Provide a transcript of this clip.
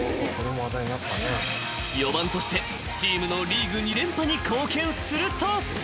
［四番としてチームのリーグ２連覇に貢献すると］